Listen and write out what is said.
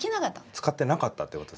使ってなかったってことですか？